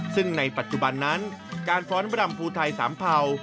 ซึ่งในปัจจุบันนั้นการฟ้อนบรำภูไทยสามเภา